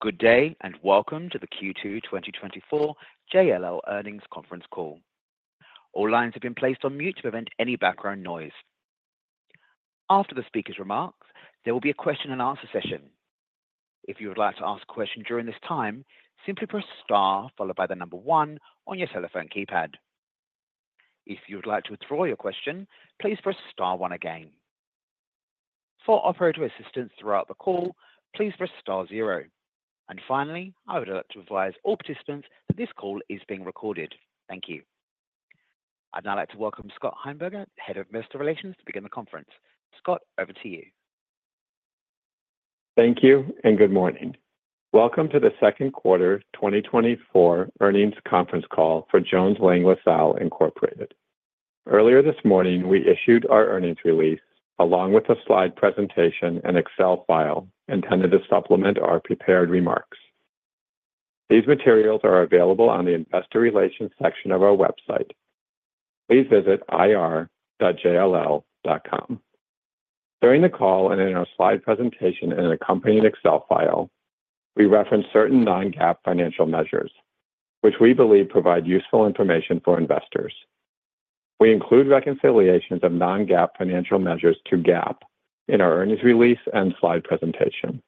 Good day, and welcome to the Q2 2024 JLL Earnings Conference Call. All lines have been placed on mute to prevent any background noise. After the speaker's remarks, there will be a question and answer session. If you would like to ask a question during this time, simply press star followed by the number one on your telephone keypad. If you would like to withdraw your question, please press star one again. For operator assistance throughout the call, please press star zero. And finally, I would like to advise all participants that this call is being recorded. Thank you. I'd now like to welcome Scott Einberger, Head of Investor Relations, to begin the conference. Scott, over to you. Thank you, and good morning. Welcome to the second quarter 2024 earnings conference call for Jones Lang LaSalle Incorporated. Earlier this morning, we issued our earnings release, along with a slide presentation and Excel file intended to supplement our prepared remarks. These materials are available on the Investor Relations section of our website. Please visit ir.jll.com. During the call and in our slide presentation and accompanying Excel file, we reference certain non-GAAP financial measures, which we believe provide useful information for investors. We include reconciliations of non-GAAP financial measures to GAAP in our earnings release and slide presentation.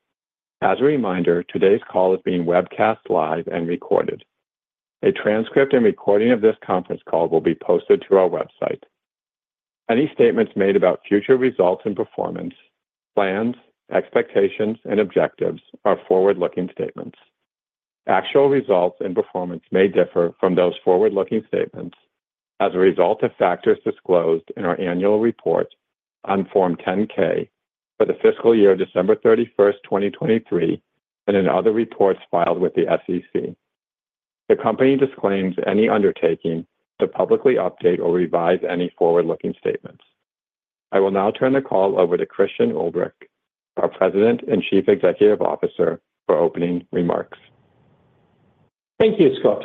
As a reminder, today's call is being webcast live and recorded. A transcript and recording of this conference call will be posted to our website. Any statements made about future results and performance, plans, expectations, and objectives are forward-looking statements. Actual results and performance may differ from those forward-looking statements as a result of factors disclosed in our annual report on Form 10-K for the fiscal year, December 31st, 2023, and in other reports filed with the SEC. The company disclaims any undertaking to publicly update or revise any forward-looking statements. I will now turn the call over to Christian Ulbrich, our President and Chief Executive Officer, for opening remarks. Thank you, Scott.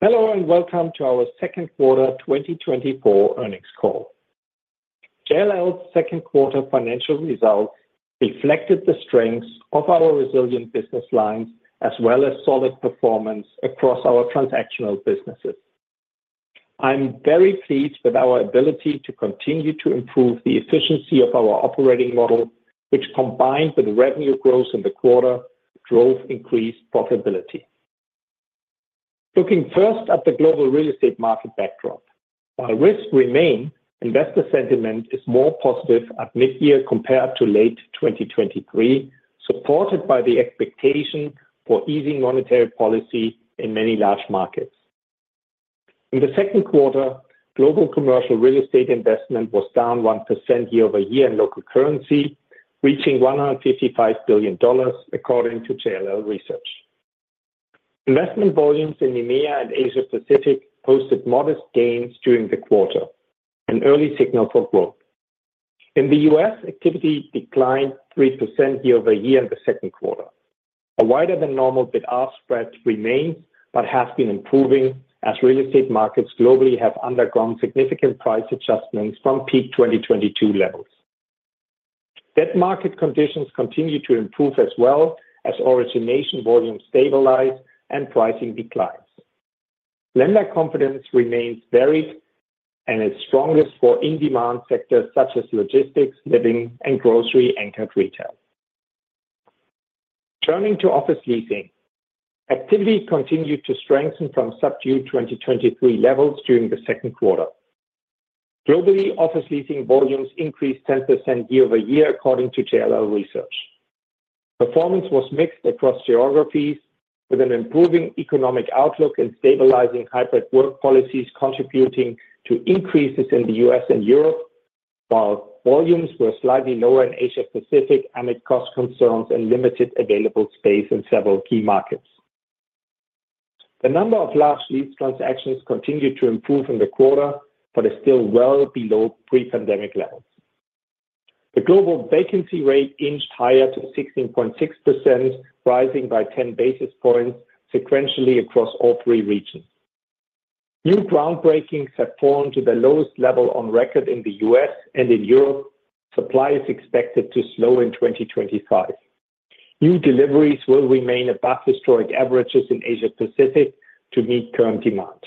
Hello, and welcome to our second quarter 2024 earnings call. JLL's second quarter financial results reflected the strengths of our resilient business lines, as well as solid performance across our transactional businesses. I'm very pleased with our ability to continue to improve the efficiency of our operating model, which, combined with revenue growth in the quarter, drove increased profitability. Looking first at the global real estate market backdrop. While risks remain, investor sentiment is more positive at mid-year compared to late 2023, supported by the expectation for easing monetary policy in many large markets. In the second quarter, global commercial real estate investment was down 1% year-over-year in local currency, reaching $155 billion, according to JLL Research. Investment volumes in EMEA and Asia Pacific posted modest gains during the quarter, an early signal for growth. In the U.S., activity declined 3% year-over-year in the second quarter. A wider than normal bid-ask spread remains, but has been improving as real estate markets globally have undergone significant price adjustments from peak 2022 levels. Debt market conditions continue to improve as well as origination volumes stabilize and pricing declines. Lender confidence remains varied and is strongest for in-demand sectors such as logistics, living, and grocery-anchored retail. Turning to office leasing. Activity continued to strengthen from subdued 2023 levels during the second quarter. Globally, office leasing volumes increased 10% year-over-year, according to JLL Research. Performance was mixed across geographies, with an improving economic outlook and stabilizing hybrid work policies contributing to increases in the U.S. and Europe, while volumes were slightly lower in Asia Pacific amid cost concerns and limited available space in several key markets. The number of large lease transactions continued to improve in the quarter, but is still well below pre-pandemic levels. The global vacancy rate inched higher to 16.6%, rising by 10 basis points sequentially across all three regions. New groundbreakings have fallen to the lowest level on record in the U.S., and in Europe, supply is expected to slow in 2025. New deliveries will remain above historic averages in Asia Pacific to meet current demand.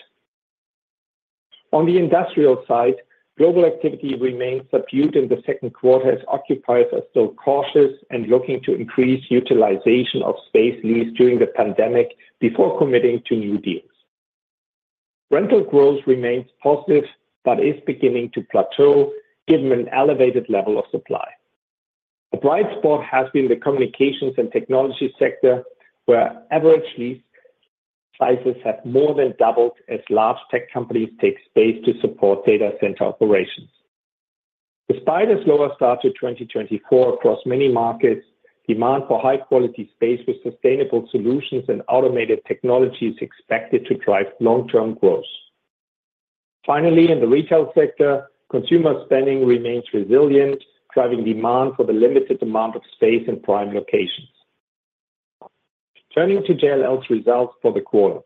On the industrial side, global activity remains subdued in the second quarter, as occupiers are still cautious and looking to increase utilization of space leased during the pandemic before committing to new deals. Rental growth remains positive, but is beginning to plateau given an elevated level of supply. A bright spot has been the communications and technology sector, where average lease sizes have more than doubled as large tech companies take space to support data center operations. Despite a slower start to 2024 across many markets, demand for high-quality space with sustainable solutions and automated technology is expected to drive long-term growth. Finally, in the retail sector, consumer spending remains resilient, driving demand for the limited amount of space in prime locations. Turning to JLL's results for the quarter...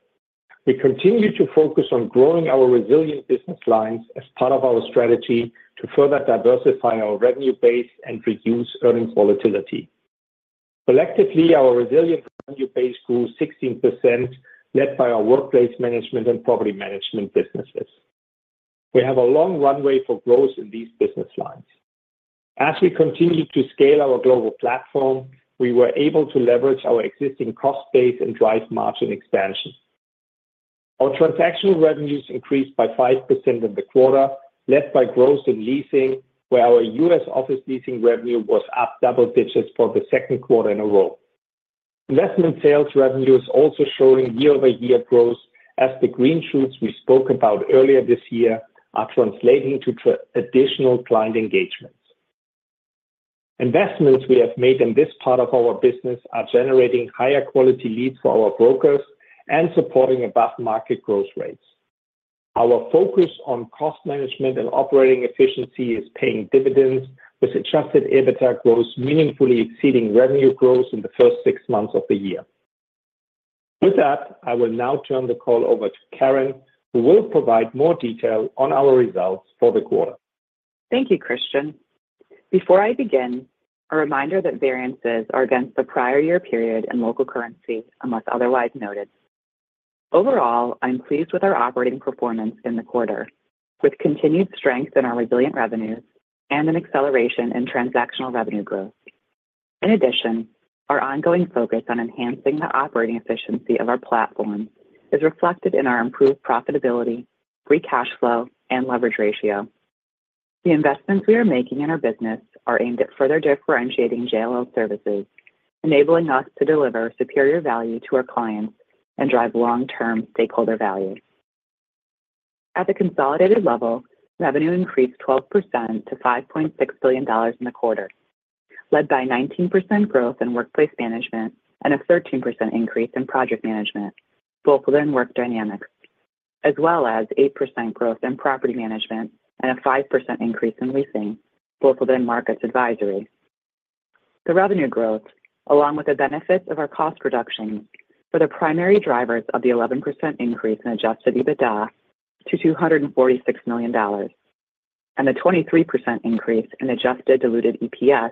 We continue to focus on growing our resilient business lines as part of our strategy to further diversify our revenue base and reduce earnings volatility. Collectively, our resilient revenue base grew 16%, led by our workplace management and property management businesses. We have a long runway for growth in these business lines. As we continue to scale our global platform, we were able to leverage our existing cost base and drive margin expansion. Our transactional revenues increased by 5% in the quarter, led by growth in leasing, where our U.S. office leasing revenue was up double digits for the second quarter in a row. Investment sales revenue is also showing year-over-year growth, as the green shoots we spoke about earlier this year are translating to additional client engagements. Investments we have made in this part of our business are generating higher quality leads for our brokers and supporting above-market growth rates. Our focus on cost management and operating efficiency is paying dividends, with Adjusted EBITDA growth meaningfully exceeding revenue growth in the first six months of the year. With that, I will now turn the call over to Karen, who will provide more detail on our results for the quarter. Thank you, Christian. Before I begin, a reminder that variances are against the prior year period in local currency, unless otherwise noted. Overall, I'm pleased with our operating performance in the quarter, with continued strength in our resilient revenues and an acceleration in transactional revenue growth. In addition, our ongoing focus on enhancing the operating efficiency of our platform is reflected in our improved profitability, free cash flow, and leverage ratio. The investments we are making in our business are aimed at further differentiating JLL services, enabling us to deliver superior value to our clients and drive long-term stakeholder value. At the consolidated level, revenue increased 12% to $5.6 billion in the quarter, led by 19% growth in workplace management and a 13% increase in project management, both within Work Dynamics, as well as 8% growth in property management and a 5% increase in leasing, both within Markets Advisory. The revenue growth, along with the benefits of our cost reductions, were the primary drivers of the 11% increase in adjusted EBITDA to $246 million, and a 23% increase in adjusted diluted EPS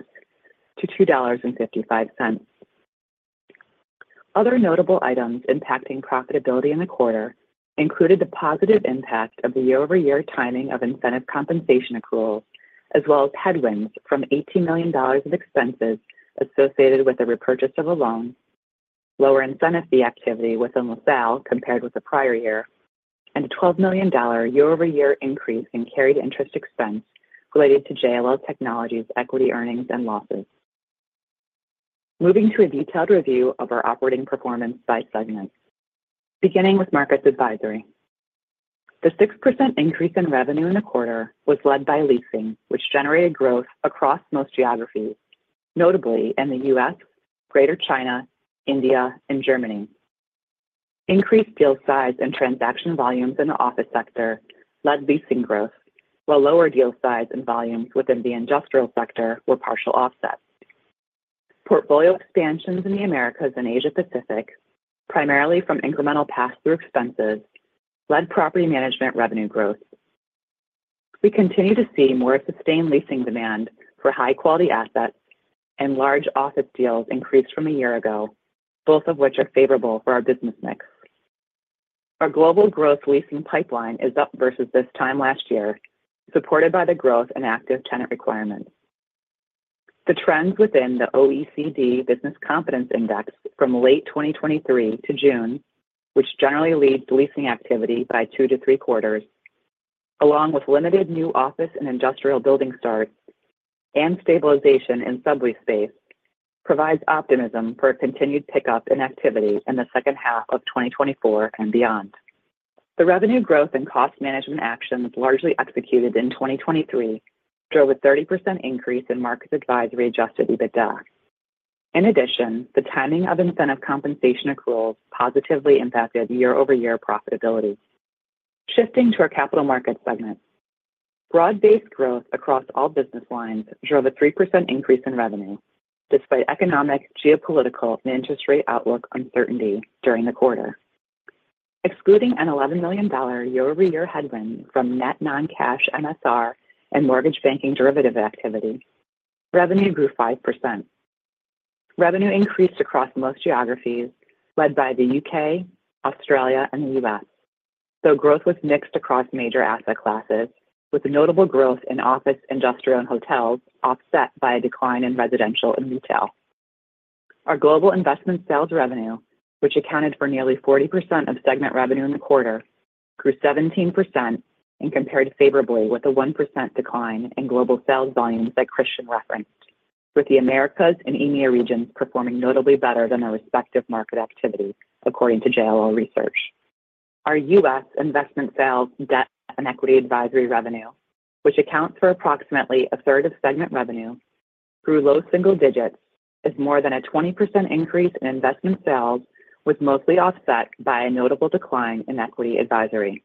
to $2.55. Other notable items impacting profitability in the quarter included the positive impact of the year-over-year timing of incentive compensation accruals, as well as headwinds from $18 million of expenses associated with the repurchase of a loan, lower incentive fee activity within LaSalle compared with the prior year, and a $12 million year-over-year increase in carried interest expense related to JLL Technologies' equity earnings and losses. Moving to a detailed review of our operating performance by segment. Beginning with Markets Advisory. The 6% increase in revenue in the quarter was led by leasing, which generated growth across most geographies, notably in the U.S., Greater China, India, and Germany. Increased deal size and transaction volumes in the office sector led leasing growth, while lower deal size and volumes within the industrial sector were partial offsets. Portfolio expansions in the Americas and Asia Pacific, primarily from incremental pass-through expenses, led property management revenue growth. We continue to see more sustained leasing demand for high-quality assets and large office deals increased from a year ago, both of which are favorable for our business mix. Our global growth leasing pipeline is up versus this time last year, supported by the growth in active tenant requirements. The trends within the OECD Business Confidence Index from late 2023 to June, which generally leads leasing activity by 2-3 quarters, along with limited new office and industrial building starts and stabilization in sublease space, provides optimism for a continued pickup in activity in the second half of 2024 and beyond. The revenue growth and cost management actions largely executed in 2023 drove a 30% increase in Markets Advisory adjusted EBITDA. In addition, the timing of incentive compensation accruals positively impacted year-over-year profitability. Shifting to our Capital Markets segment. Broad-based growth across all business lines drove a 3% increase in revenue, despite economic, geopolitical, and interest rate outlook uncertainty during the quarter. Excluding an $11 million year-over-year headwind from net non-cash MSR and mortgage banking derivative activity, revenue grew 5%. Revenue increased across most geographies, led by the U.K., Australia, and the U.S., though growth was mixed across major asset classes, with notable growth in office, industrial, and hotels offset by a decline in residential and retail. Our global Investment Sales revenue, which accounted for nearly 40% of segment revenue in the quarter, grew 17% and compared favorably with a 1% decline in global sales volumes that Christian referenced, with the Americas and EMEA regions performing notably better than their respective market activity, according to JLL research. Our U.S. Investment Sales, debt, and equity advisory revenue, which accounts for approximately a third of segment revenue, grew low single digits as more than a 20% increase in Investment Sales was mostly offset by a notable decline in equity advisory....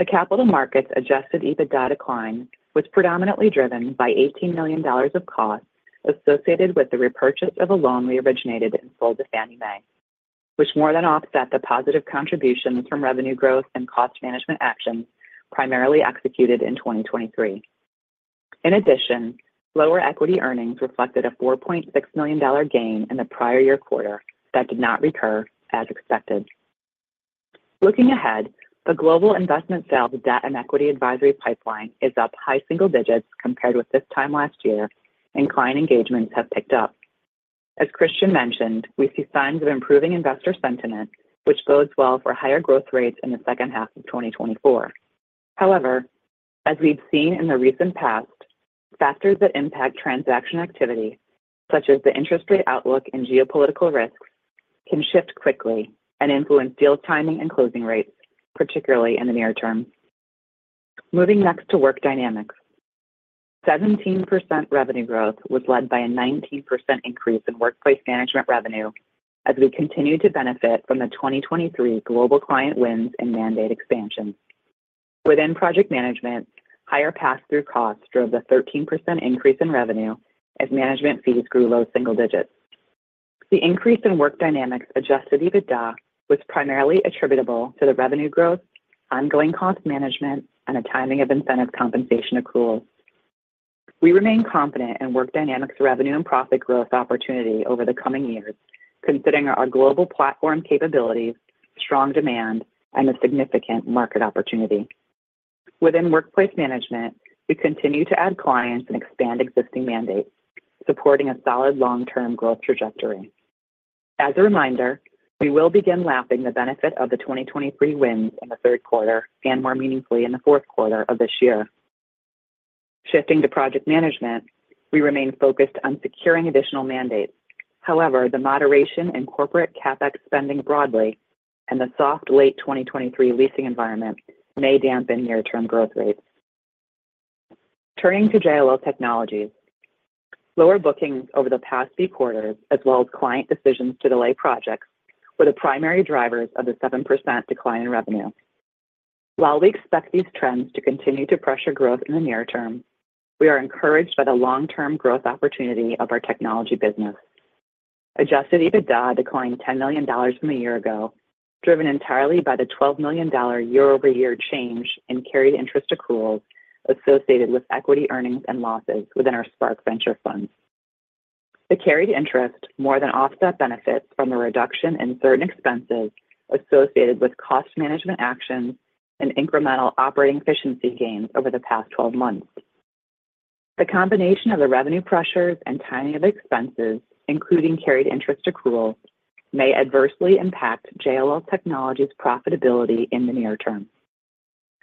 The Capital Markets Adjusted EBITDA decline was predominantly driven by $18 million of costs associated with the repurchase of a loan we originated and sold to Fannie Mae, which more than offset the positive contributions from revenue growth and cost management actions primarily executed in 2023. In addition, lower equity earnings reflected a $4.6 million gain in the prior year quarter that did not recur as expected. Looking ahead, the global investment sales debt and equity advisory pipeline is up high single digits compared with this time last year, and client engagements have picked up. As Christian mentioned, we see signs of improving investor sentiment, which bodes well for higher growth rates in the second half of 2024. However, as we've seen in the recent past, factors that impact transaction activity, such as the interest rate outlook and geopolitical risks, can shift quickly and influence deal timing and closing rates, particularly in the near term. Moving next to Work Dynamics. 17% revenue growth was led by a 19% increase in workplace management revenue as we continued to benefit from the 2023 global client wins and mandate expansions. Within project management, higher pass-through costs drove the 13% increase in revenue as management fees grew low single digits. The increase in Work Dynamics adjusted EBITDA was primarily attributable to the revenue growth, ongoing cost management, and the timing of incentive compensation accrual. We remain confident in Work Dynamics revenue and profit growth opportunity over the coming years, considering our global platform capabilities, strong demand, and a significant market opportunity. Within Workplace Management, we continue to add clients and expand existing mandates, supporting a solid long-term growth trajectory. As a reminder, we will begin lapping the benefit of the 2023 wins in the third quarter and more meaningfully in the fourth quarter of this year. Shifting to project management, we remain focused on securing additional mandates. However, the moderation in corporate CapEx spending broadly and the soft late 2023 leasing environment may dampen near-term growth rates. Turning to JLL Technologies. Lower bookings over the past few quarters, as well as client decisions to delay projects, were the primary drivers of the 7% decline in revenue. While we expect these trends to continue to pressure growth in the near term, we are encouraged by the long-term growth opportunity of our technology business. Adjusted EBITDA declined $10 million from a year ago, driven entirely by the $12 million year-over-year change in carried interest accruals associated with equity earnings and losses within our Spark venture funds. The carried interest more than offset benefits from the reduction in certain expenses associated with cost management actions and incremental operating efficiency gains over the past 12 months. The combination of the revenue pressures and timing of expenses, including carried interest accruals, may adversely impact JLL Technologies' profitability in the near term.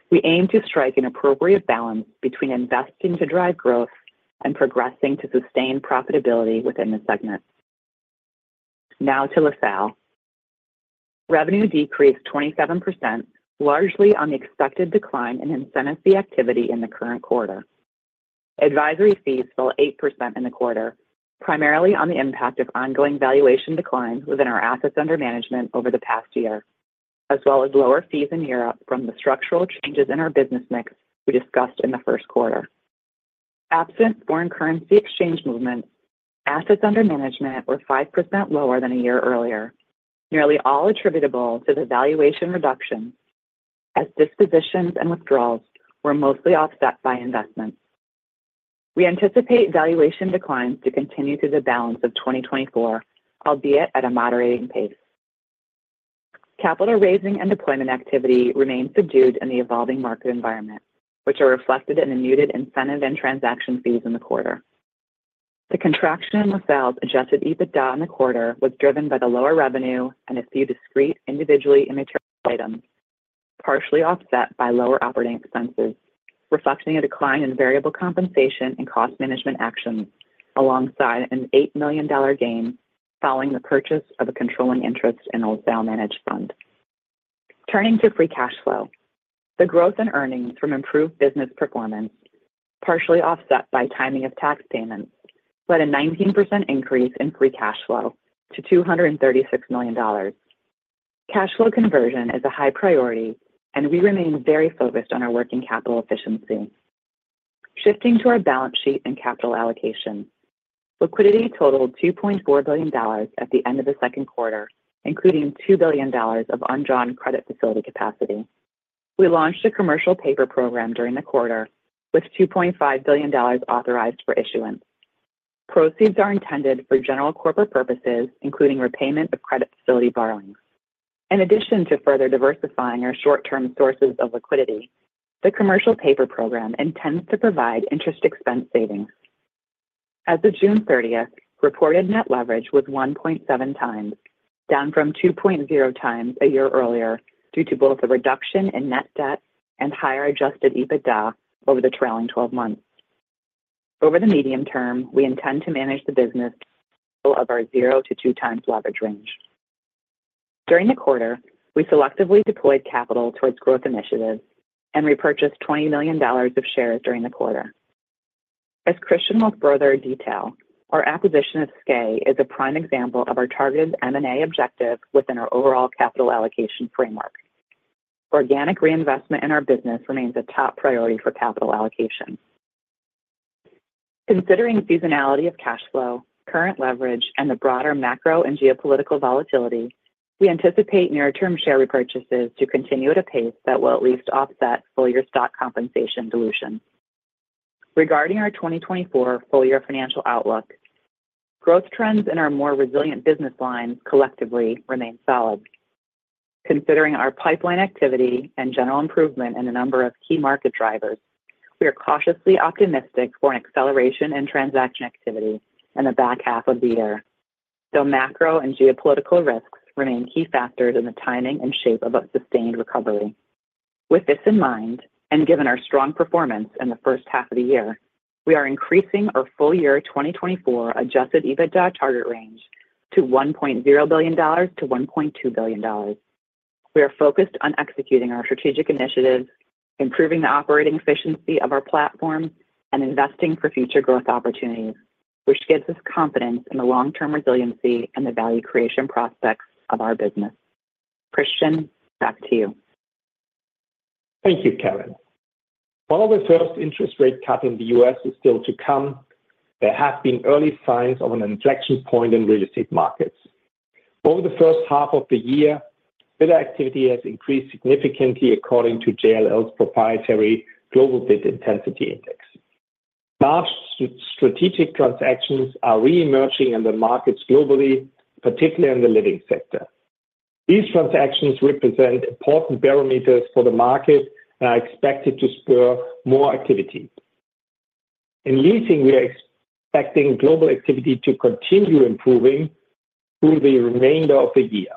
We aim to strike an appropriate balance between investing to drive growth and progressing to sustain profitability within the segment. Now to LaSalle. Revenue decreased 27%, largely on the expected decline in incentive fee activity in the current quarter. Advisory fees fell 8% in the quarter, primarily on the impact of ongoing valuation declines within our assets under management over the past year, as well as lower fees in Europe from the structural changes in our business mix we discussed in the first quarter. Absent foreign currency exchange movements, assets under management were 5% lower than a year earlier, nearly all attributable to the valuation reduction, as dispositions and withdrawals were mostly offset by investments. We anticipate valuation declines to continue through the balance of 2024, albeit at a moderating pace. Capital raising and deployment activity remain subdued in the evolving market environment, which are reflected in the muted incentive and transaction fees in the quarter. The contraction in LaSalle's Adjusted EBITDA in the quarter was driven by the lower revenue and a few discrete, individually immaterial items, partially offset by lower operating expenses, reflecting a decline in variable compensation and cost management actions, alongside an $8 million gain following the purchase of a controlling interest in a LaSalle managed fund. Turning to free cash flow. The growth in earnings from improved business performance, partially offset by timing of tax payments, led a 19% increase in Free Cash Flow to $236 million. Cash flow conversion is a high priority, and we remain very focused on our working capital efficiency. Shifting to our balance sheet and capital allocation. Liquidity totaled $2.4 billion at the end of the second quarter, including $2 billion of undrawn credit facility capacity. We launched a Commercial Paper Program during the quarter with $2.5 billion authorized for issuance. Proceeds are intended for general corporate purposes, including repayment of credit facility borrowings. In addition to further diversifying our short-term sources of liquidity, the Commercial Paper Program intends to provide interest expense savings. As of June 30, reported Net Leverage was 1.7 times, down from 2.0 times a year earlier, due to both a reduction in net debt and higher Adjusted EBITDA over the trailing twelve months. Over the medium term, we intend to manage the business of our 0-2 times leverage range. During the quarter, we selectively deployed capital towards growth initiatives and repurchased $20 million of shares during the quarter. As Christian will further detail, our acquisition of SKAE is a prime example of our targeted M&A objective within our overall capital allocation framework. Organic reinvestment in our business remains a top priority for capital allocation. Considering seasonality of cash flow, current leverage, and the broader macro and geopolitical volatility, we anticipate near-term share repurchases to continue at a pace that will at least offset full-year stock compensation dilution. Regarding our 2024 full-year financial outlook, growth trends in our more resilient business lines collectively remain solid. Considering our pipeline activity and general improvement in a number of key market drivers, we are cautiously optimistic for an acceleration in transaction activity in the back half of the year, though macro and geopolitical risks remain key factors in the timing and shape of a sustained recovery. With this in mind, and given our strong performance in the first half of the year, we are increasing our full-year 2024 Adjusted EBITDA target range to $1.0 billion-$1.2 billion. We are focused on executing our strategic initiatives, improving the operating efficiency of our platform, and investing for future growth opportunities, which gives us confidence in the long-term resiliency and the value creation prospects of our business. Christian, back to you. Thank you, Karen. While the first interest rate cut in the U.S. is still to come, there have been early signs of an inflection point in real estate markets. Over the first half of the year, bidder activity has increased significantly according to JLL's proprietary Global Bid Intensity Index. Large strategic transactions are reemerging in the markets globally, particularly in the living sector. These transactions represent important barometers for the market and are expected to spur more activity. In leasing, we are expecting global activity to continue improving through the remainder of the year.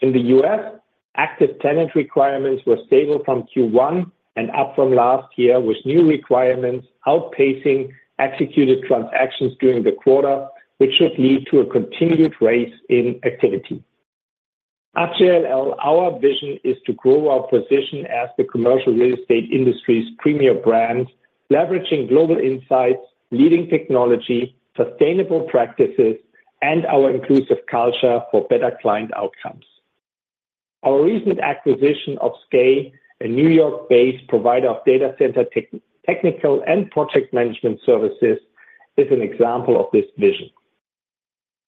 In the U.S., active tenant requirements were stable from Q1 and up from last year, with new requirements outpacing executed transactions during the quarter, which should lead to a continued raise in activity. At JLL, our vision is to grow our position as the commercial real estate industry's premier brand, leveraging global insights, leading technology, sustainable practices, and our inclusive culture for better client outcomes. Our recent acquisition of SKAE, a New York-based provider of data center technical and project management services, is an example of this vision.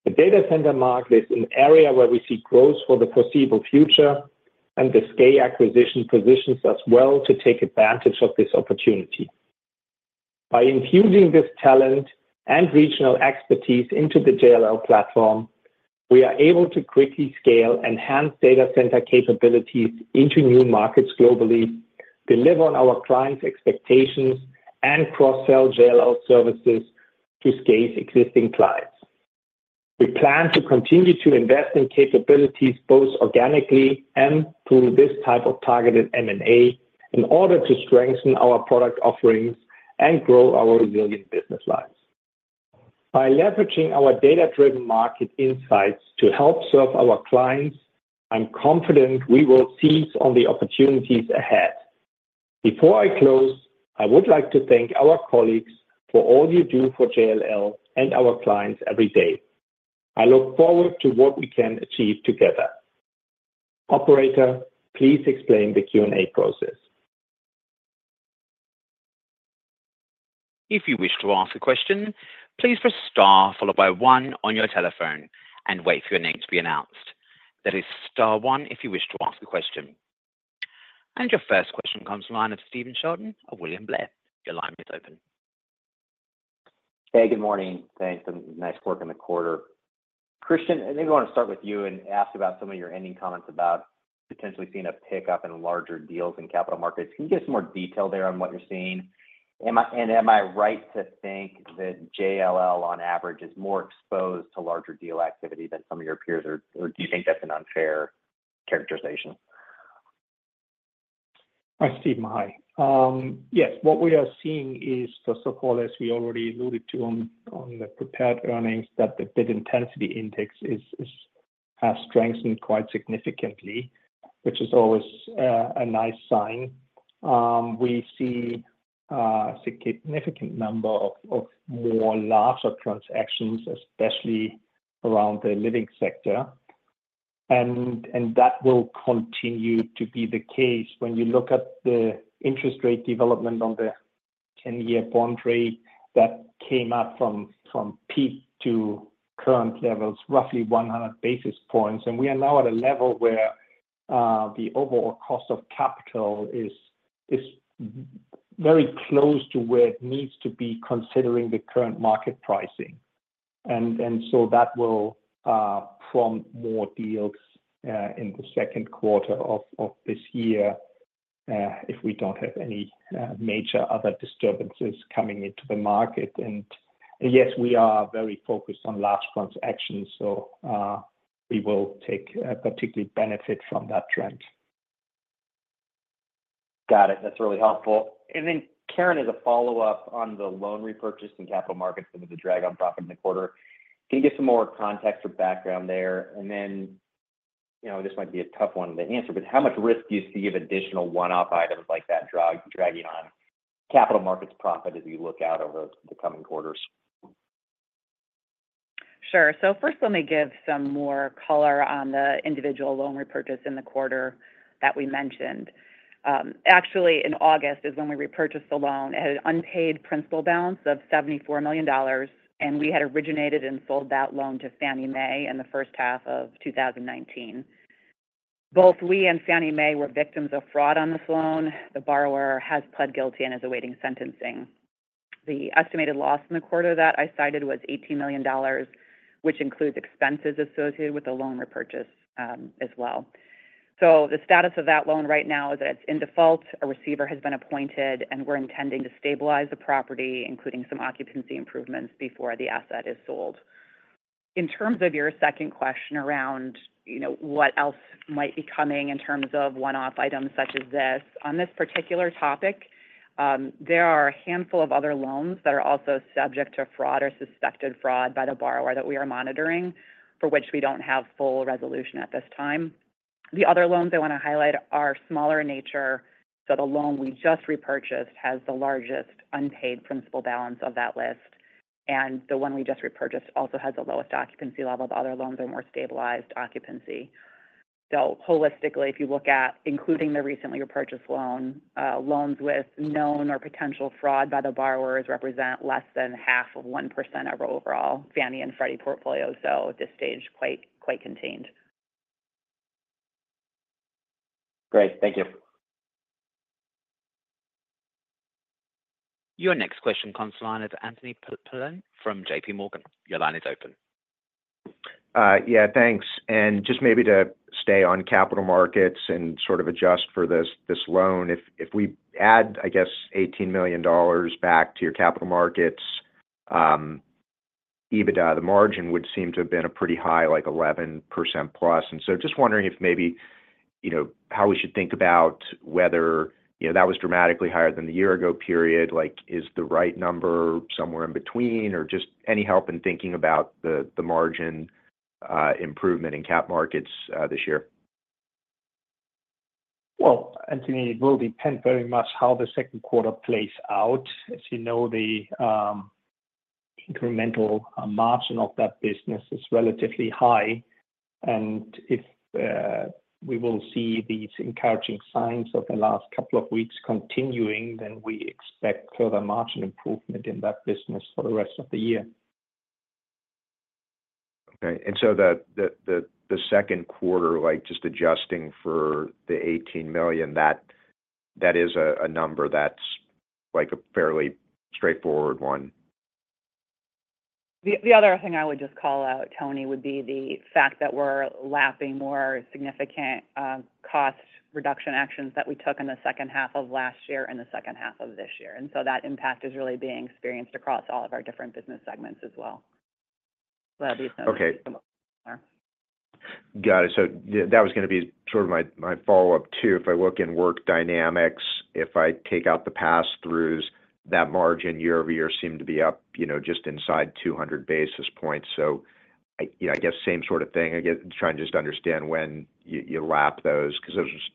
The data center market is an area where we see growth for the foreseeable future, and the SKAE acquisition positions us well to take advantage of this opportunity. By infusing this talent and regional expertise into the JLL platform, we are able to quickly scale enhanced data center capabilities into new markets globally, deliver on our clients' expectations, and cross-sell JLL services to SKAE's existing clients. We plan to continue to invest in capabilities, both organically and through this type of targeted M&A, in order to strengthen our product offerings and grow our resilient business lines. By leveraging our data-driven market insights to help serve our clients, I'm confident we will seize on the opportunities ahead. Before I close, I would like to thank our colleagues for all you do for JLL and our clients every day. I look forward to what we can achieve together. Operator, please explain the Q&A process. If you wish to ask a question, please press star followed by one on your telephone and wait for your name to be announced. That is star one if you wish to ask a question. Your first question comes from the line of Stephen Sheldon of William Blair. Your line is open. Hey, good morning. Thanks, and nice work in the quarter. Christian, I think I want to start with you and ask about some of your ending comments about potentially seeing a pickup in larger deals in Capital Markets. Can you give some more detail there on what you're seeing? And am I right to think that JLL, on average, is more exposed to larger deal activity than some of your peers, or do you think that's an unfair characterization? Hi, Steve. Hi. Yes, what we are seeing is, so far, as we already alluded to on, on the prepared earnings, that the bid intensity index has strengthened quite significantly, which is always a nice sign. We see a significant number of more larger transactions, especially around the living sector. And that will continue to be the case. When you look at the interest rate development on the ten-year bond rate, that came up from peak to current levels, roughly 100 basis points. And we are now at a level where the overall cost of capital is very close to where it needs to be, considering the current market pricing. And so that will prompt more deals in the second quarter of this year, if we don't have any major other disturbances coming into the market. Yes, we are very focused on large transactions, so we will take a particular benefit from that trend. Got it. That's really helpful. Then, Karen, as a follow-up on the loan repurchase and capital markets, that was a drag on profit in the quarter. Can you give some more context or background there, and then-... you know, this might be a tough one to answer, but how much risk do you see of additional one-off items like that dragging on Capital Markets profit as we look out over the coming quarters? Sure. So first, let me give some more color on the individual loan repurchase in the quarter that we mentioned. Actually, in August is when we repurchased the loan. It had an unpaid principal balance of $74 million, and we had originated and sold that loan to Fannie Mae in the first half of 2019. Both we and Fannie Mae were victims of fraud on this loan. The borrower has pled guilty and is awaiting sentencing. The estimated loss in the quarter that I cited was $18 million, which includes expenses associated with the loan repurchase, as well. So the status of that loan right now is that it's in default. A receiver has been appointed, and we're intending to stabilize the property, including some occupancy improvements, before the asset is sold. In terms of your second question around, you know, what else might be coming in terms of one-off items such as this, on this particular topic, there are a handful of other loans that are also subject to fraud or suspected fraud by the borrower that we are monitoring, for which we don't have full resolution at this time. The other loans I want to highlight are smaller in nature, so the loan we just repurchased has the largest unpaid principal balance of that list, and the one we just repurchased also has the lowest occupancy level. The other loans are more stabilized occupancy. So holistically, if you look at including the recently repurchased loan, loans with known or potential fraud by the borrowers represent less than 0.5% of our overall Fannie and Freddie portfolio, so at this stage, quite, quite contained. Great. Thank you. Your next question comes from the line of Anthony Paolone from J.P. Morgan. Your line is open. Yeah, thanks. And just maybe to stay on capital markets and sort of adjust for this, this loan, if, if we add, I guess, $18 million back to your capital markets, EBITDA, the margin would seem to have been a pretty high, like 11%+. And so just wondering if maybe, you know, how we should think about whether, you know, that was dramatically higher than the year ago period, like, is the right number somewhere in between? Or just any help in thinking about the, the margin, improvement in cap markets, this year? Well, Anthony, it will depend very much how the second quarter plays out. As you know, the incremental margin of that business is relatively high, and if we will see these encouraging signs of the last couple of weeks continuing, then we expect further margin improvement in that business for the rest of the year. Okay. And so the second quarter, like, just adjusting for the $18 million, that is a number that's like a fairly straightforward one. The other thing I would just call out, Tony, would be the fact that we're lapping more significant cost reduction actions that we took in the second half of last year and the second half of this year, and so that impact is really being experienced across all of our different business segments as well. So that'd be some- Okay. -uh. Got it. So that was gonna be sort of my, my follow-up, too. If I look in Work Dynamics, if I take out the passthroughs, that margin year-over-year seemed to be up, you know, just inside 200 basis points. So I, you know, I guess same sort of thing. Again, trying to just understand when you, you lap those, 'cause those was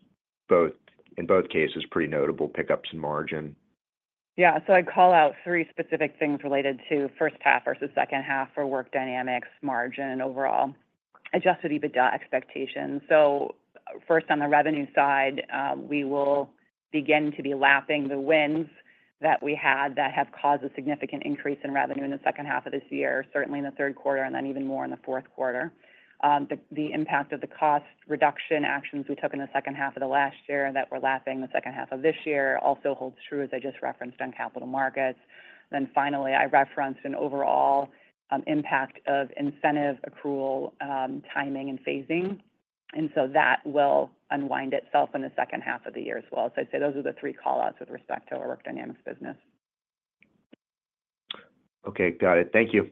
both-- in both cases, pretty notable pickups in margin. Yeah. So I'd call out three specific things related to first half versus second half for Work Dynamics margin overall, Adjusted EBITDA expectations. So first, on the revenue side, we will begin to be lapping the wins that we had that have caused a significant increase in revenue in the second half of this year, certainly in the third quarter, and then even more in the fourth quarter. The impact of the cost reduction actions we took in the second half of the last year that we're lapping the second half of this year also holds true, as I just referenced, on Capital Markets. Then finally, I referenced an overall impact of incentive accrual timing and phasing, and so that will unwind itself in the second half of the year as well. So I'd say those are the three call-outs with respect to our Work Dynamics business. Okay, got it. Thank you.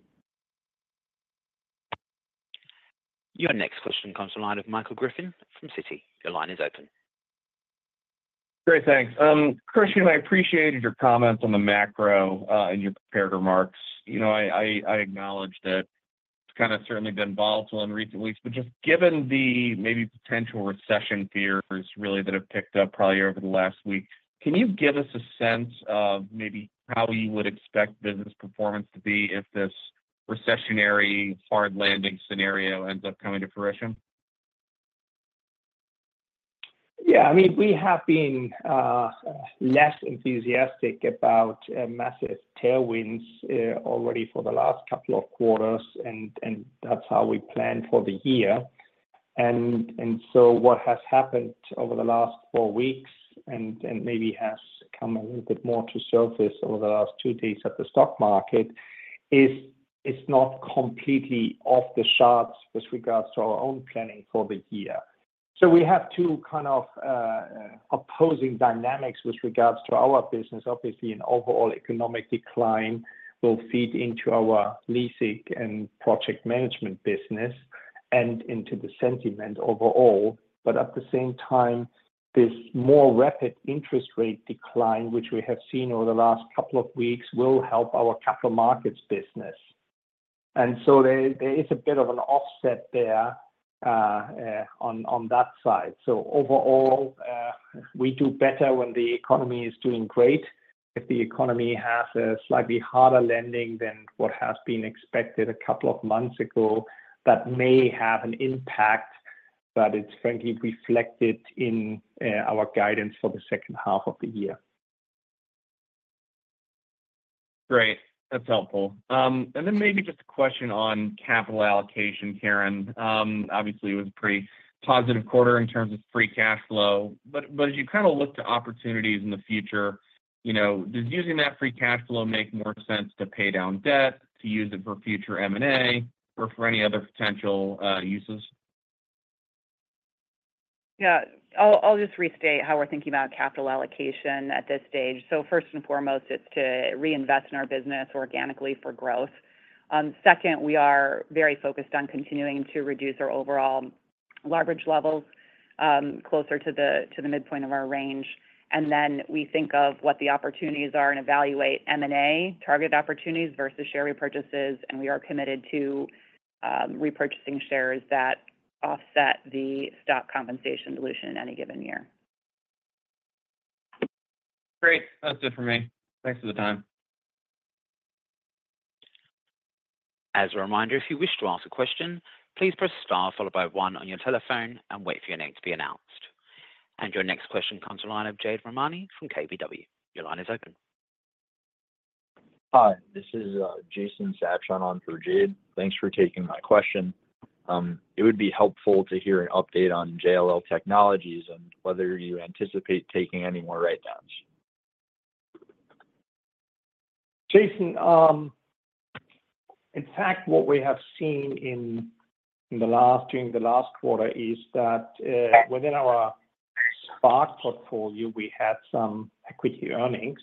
Your next question comes to the line of Michael Griffin from Citi. Your line is open. Great. Thanks, Christian. I appreciated your comments on the macro in your prepared remarks. You know, I acknowledge that it's kind of certainly been volatile in recent weeks, but just given the maybe potential recession fears really that have picked up probably over the last week, can you give us a sense of maybe how you would expect business performance to be if this recessionary hard landing scenario ends up coming to fruition? Yeah, I mean, we have been less enthusiastic about massive tailwinds already for the last couple of quarters, and that's how we planned for the year. And so what has happened over the last four weeks and maybe has come a little bit more to surface over the last two days at the stock market is it's not completely off the charts with regards to our own planning for the year. So we have two kind of opposing dynamics with regards to our business. Obviously, an overall economic decline will feed into our leasing and project management business and into the sentiment overall. But at the same time, this more rapid interest rate decline, which we have seen over the last couple of weeks, will help our capital markets business. And so there is a bit of an offset there, on that side. So overall, we do better when the economy is doing great. If the economy has a slightly harder landing than what has been expected a couple of months ago, that may have an impact, but it's frankly reflected in our guidance for the second half of the year. Great. That's helpful. And then maybe just a question on capital allocation, Karen. Obviously, it was a pretty positive quarter in terms of free cash flow, but, but as you kind of look to opportunities in the future, you know, does using that free cash flow make more sense to pay down debt, to use it for future M&A, or for any other potential uses? Yeah. I'll, I'll just restate how we're thinking about capital allocation at this stage. So first and foremost, it's to reinvest in our business organically for growth. Second, we are very focused on continuing to reduce our overall leverage levels, closer to the, to the midpoint of our range. And then we think of what the opportunities are and evaluate M&A, target opportunities versus share repurchases, and we are committed to repurchasing shares that offset the stock compensation dilution in any given year. Great. That's it for me. Thanks for the time. As a reminder, if you wish to ask a question, please press star followed by one on your telephone and wait for your name to be announced. Your next question comes from the line of Jade Rahmani from KBW. Your line is open. Hi, this is Jason Sabshon on for Jade. Thanks for taking my question. It would be helpful to hear an update on JLL Technologies and whether you anticipate taking any more write-downs. Jason, in fact, what we have seen during the last quarter is that within our Spark portfolio, we had some equity earnings.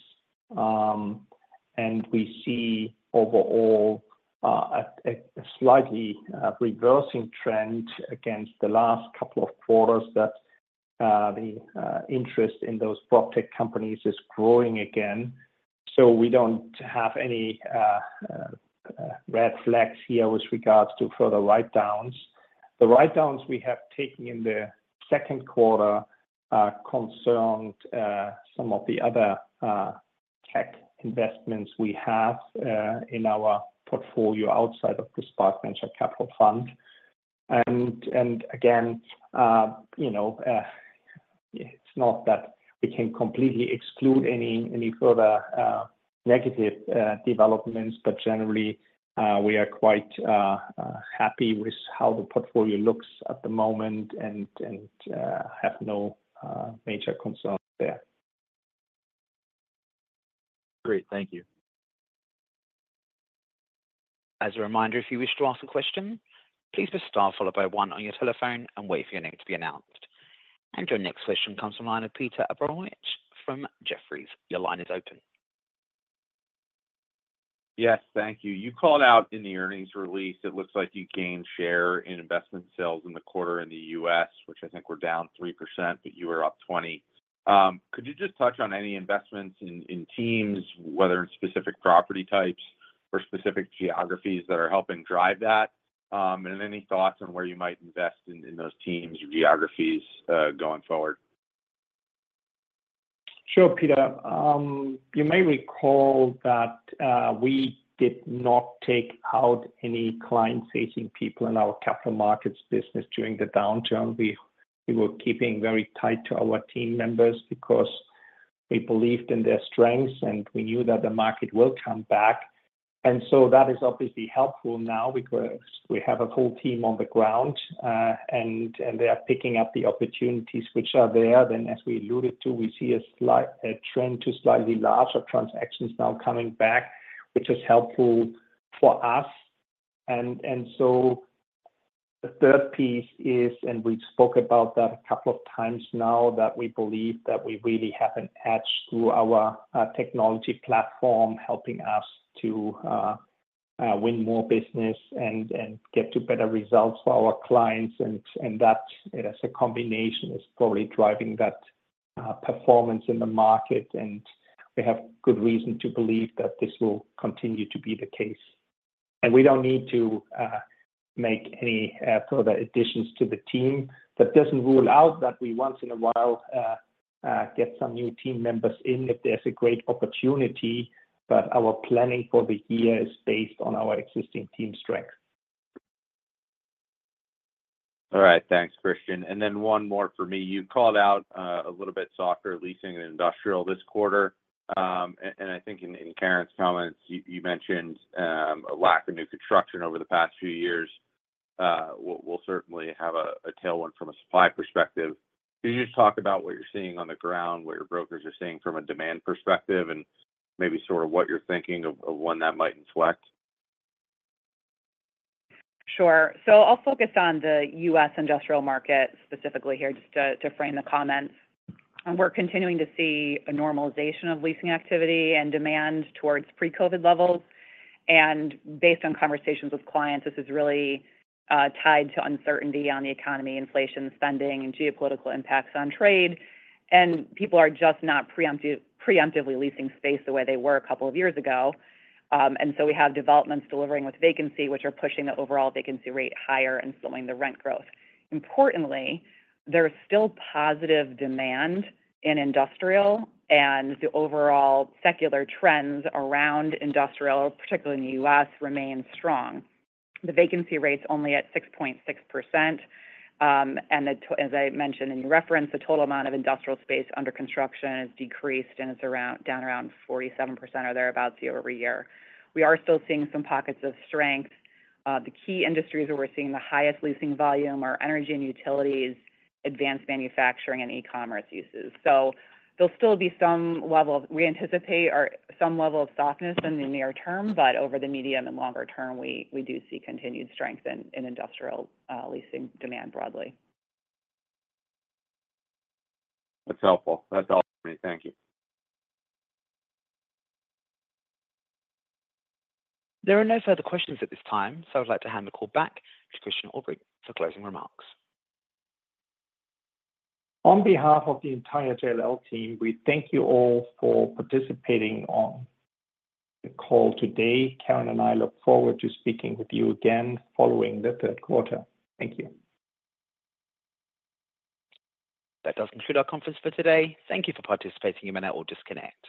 And we see overall a slightly reversing trend against the last couple of quarters that the interest in those PropTech companies is growing again. So we don't have any red flags here with regards to further write-downs. The write-downs we have taken in the second quarter concerned some of the other tech investments we have in our portfolio outside of the Spark venture capital fund. And again, you know, it's not that we can completely exclude any further negative developments, but generally, we are quite happy with how the portfolio looks at the moment and have no major concerns there. Great. Thank you. As a reminder, if you wish to ask a question, please press Star followed by One on your telephone and wait for your name to be announced. Your next question comes from line of Peter Abramowitz from Jefferies. Your line is open. Yes, thank you. You called out in the earnings release, it looks like you gained share in investment sales in the quarter in the U.S., which I think were down 3%, but you were up 20. Could you just touch on any investments in, in teams, whether in specific property types or specific geographies that are helping drive that? And any thoughts on where you might invest in, in those teams or geographies, going forward? Sure, Peter. You may recall that we did not take out any client-facing people in our Capital Markets business during the downturn. We were keeping very tight to our team members because we believed in their strengths, and we knew that the market will come back. And so that is obviously helpful now because we have a whole team on the ground, and they are picking up the opportunities which are there. Then, as we alluded to, we see a slight trend to slightly larger transactions now coming back, which is helpful for us. And so the third piece is, and we spoke about that a couple of times now, that we believe that we really have an edge through our technology platform, helping us to win more business and get to better results for our clients. and that, as a combination, is probably driving that performance in the market, and we have good reason to believe that this will continue to be the case. We don't need to make any further additions to the team. That doesn't rule out that we, once in a while, get some new team members in if there's a great opportunity, but our planning for the year is based on our existing team strength. All right. Thanks, Christian. And then one more for me. You called out a little bit softer leasing in industrial this quarter. And I think in Karen's comments, you mentioned a lack of new construction over the past few years will certainly have a tailwind from a supply perspective. Can you just talk about what you're seeing on the ground, what your brokers are seeing from a demand perspective, and maybe sort of what you're thinking of one that might influence? Sure. So I'll focus on the U.S. industrial market, specifically here, just to frame the comments. We're continuing to see a normalization of leasing activity and demand towards pre-COVID levels. Based on conversations with clients, this is really tied to uncertainty on the economy, inflation, spending, and geopolitical impacts on trade. People are just not preemptively leasing space the way they were a couple of years ago. We have developments delivering with vacancy, which are pushing the overall vacancy rate higher and slowing the rent growth. Importantly, there is still positive demand in industrial, and the overall secular trends around industrial, particularly in the U.S., remain strong. The vacancy rate is only at 6.6%. And the total—as I mentioned in your reference, the total amount of industrial space under construction has decreased, and it's around, down around 47% or thereabout year-over-year. We are still seeing some pockets of strength. The key industries where we're seeing the highest leasing volume are energy and utilities, advanced manufacturing, and e-commerce uses. So there'll still be some level of... We anticipate or some level of softness in the near term, but over the medium and longer term, we, we do see continued strength in, in industrial, leasing demand broadly. That's helpful. That's all for me. Thank you. There are no further questions at this time, so I'd like to hand the call back to Christian Ulbrich for closing remarks. On behalf of the entire JLL team, we thank you all for participating on the call today. Karen and I look forward to speaking with you again following the third quarter. Thank you. That does conclude our conference for today. Thank you for participating. You may now all disconnect.